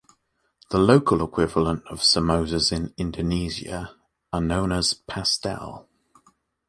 The local equivalent of samosas in Indonesia are known as "pastel".